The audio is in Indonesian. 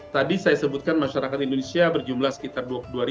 tadi saya sebutkan masyarakat indonesia berjumlah sekitar dua ratus